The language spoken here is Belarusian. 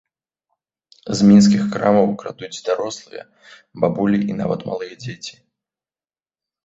З мінскіх крамаў крадуць дарослыя, бабулі і нават малыя дзеці.